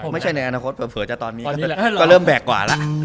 ไม่ใช่ในอนาคตเผื่อจะตอนนี้ก็เริ่มแบกกว่าละ